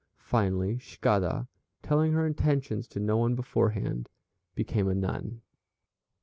Finally Cicada, telling her intentions to no one beforehand, became a nun.